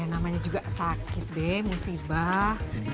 ya namanya juga sakit be musibah